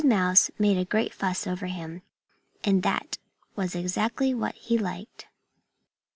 Mouse made a great fuss over him. And that was exactly what he liked.